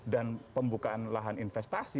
dan pembukaan lahan investasi